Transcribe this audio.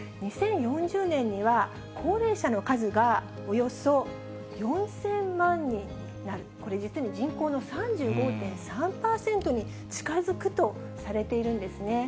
２０４０年には、高齢者の数がおよそ４０００万人になる、これ、実に人口の３５．３％に近づくとされているんですね。